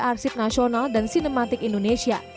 arsip nasional dan sinematik indonesia